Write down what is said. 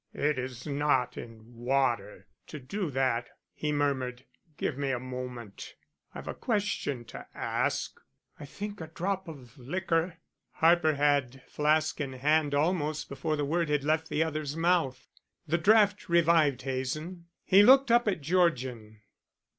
"It is not in water to do that," he murmured. "Give me a moment. I've a question to ask. I think a drop of liquor " Harper had flask in hand almost before the word had left the other's mouth. The draft revived Hazen; he looked up at Georgian.